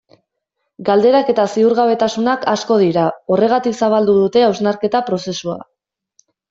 Galderak eta ziurgabetasunak asko dira, horregatik zabaldu dute hausnarketa prozesua.